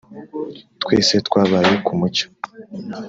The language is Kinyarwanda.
twese twabaye kumucyo